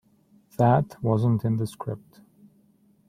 That wasn't in the script.